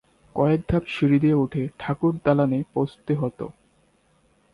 কয়েক ধাপ সিঁড়ি দিয়ে উঠে ঠাকুর দালান-এ পৌঁছতে হত।